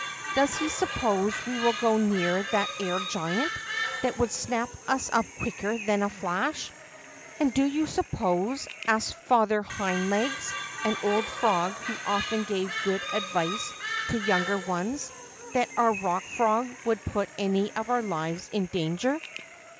Does he suppose we will go near that air giant, that would snap us up quicker than a flash ?" And do you suppose," asked Father Hind Legs, an old frog who often gave good advice to younger ones, that our Rock Frog would put any of our lives in danger